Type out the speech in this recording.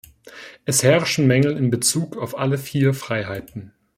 Es herrschen Mängel in Bezug auf alle vier Freiheiten.